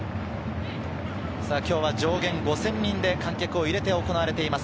今日は上限５０００人で観客を入れて行われています。